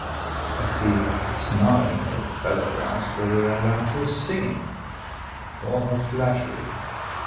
But the snarling old fellow asked whether I liked her singing, or her flattery?